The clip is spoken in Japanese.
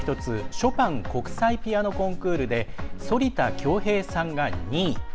ショパン国際ピアノコンクールで反田恭平さんが２位。